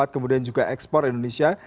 kemudian juga ekspor indonesia